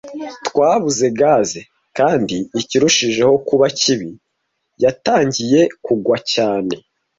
Twabuze gaze, kandi ikirushijeho kuba kibi, yatangiye kugwa cyane.